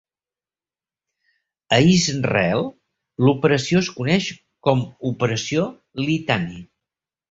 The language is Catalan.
A Israel l'operació es coneix com Operació Litani.